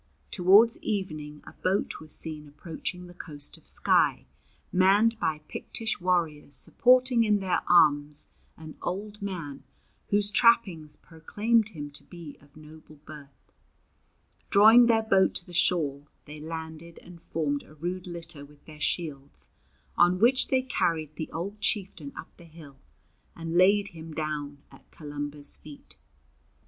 Towards evening a boat was seen approaching the coast of Skye, manned by Pictish warriors supporting in their arms an old man whose trappings proclaimed him to be of noble birth. Drawing their boat to the shore, they landed and formed a rude litter with their shields, on which they carried the old chieftain up the hill and laid him down at Columba's feet.